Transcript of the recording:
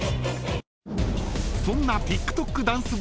［そんなＴｉｋＴｏｋ］